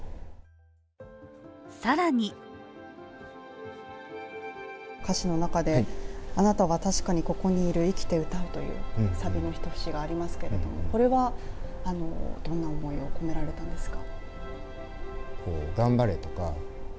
更に歌詞の中で「あなたは確かにここにいる」「生きて謳う」というサビの一説がありますけどこれはどんな思いを込められたんですか。